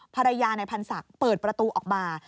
ภรรยานายพันธ์ศักดิ์เปิดประตูออกมา